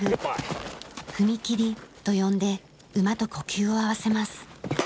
「踏み切り」と呼んで馬と呼吸を合わせます。